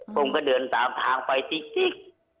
ผมก็เดินตามทางไปจิ๊ก